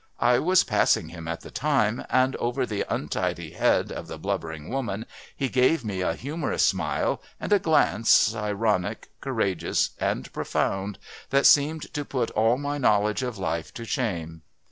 I was passing him at the time, and over the untidy head of the blubbering woman he gave me a humorous smile and a glance ironic, courageous, and profound, that seemed to put all my knowledge of life to shame.